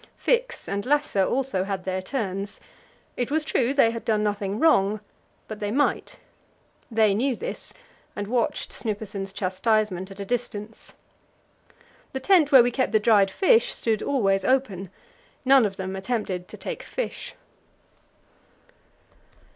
Fix and Lasse also had their turns; it was true they had done nothing wrong, but they might. They knew this, and watched Snuppesen's chastisement at a distance. The tent where we kept the dried fish stood always open; none of them attempted to take fish.